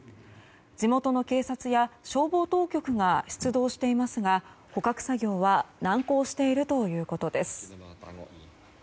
地元の警察や消防当局が出動していますが捕獲作業は難航しているということです。